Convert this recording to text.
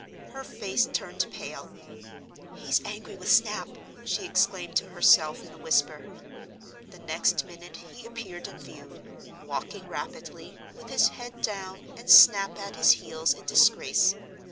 Her face turned pale. "He's angry with Snap!" she exclaimed to herself in a whisper. The next minute he appeared in view; walking rapidly, with his head down and Snap at his heels in disgrace.